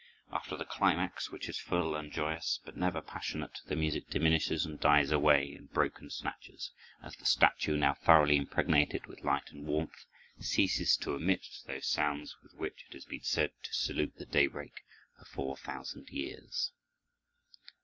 After the climax, which is full and joyous, but never passionate, the music diminishes and dies away in broken snatches, as the statue, now thoroughly impregnated with light and warmth, ceases to emit those sounds with which it has been said to salute the daybreak for four thousand years.